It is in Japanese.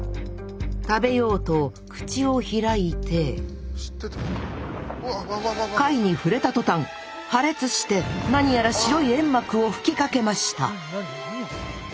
食べようと口を開いて貝に触れた途端破裂して何やら白い煙幕を吹きかけました！